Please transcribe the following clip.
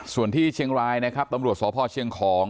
ส่วนที่เชียงรายนะครับตำรวจสพเชียงของ